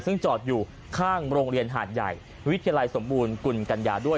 ซึ่งจอดอยู่ข้างโรงเรียนหาดใหญ่วิทยาลัยสมบูรณกุลกัญญาด้วย